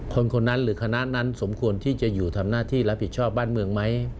คนคนนั้นหรือคณะนั้นสมควรที่จะอยู่ทำหน้าที่รับผิดชอบบ้านเมืองไหม